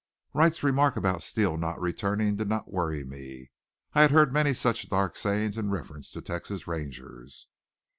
Wright's remark about Steele not returning did not worry me. I had heard many such dark sayings in reference to Rangers.